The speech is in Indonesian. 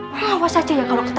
kamu tuh kayak netizen dah julit